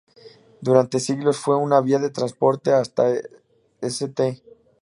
Durante siglos fue una vía de transporte hasta St-Lô.